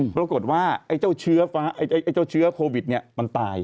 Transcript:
ปรากฏว่าเจ้าเชื้อโควิดมันตาย